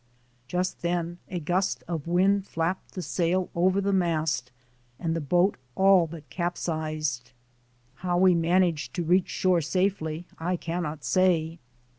Just then a gust of wind flapped the sail over the mast and the boat all but capsized. How we man aged to reach shore safely I cannot say.